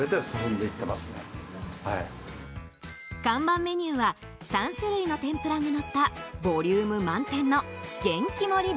看板メニューは３種類の天ぷらがのったボリューム満点の元喜盛